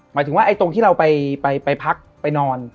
หมายถึงว่าตรงที่เราไปพักไปนอน